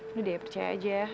udah deh percaya aja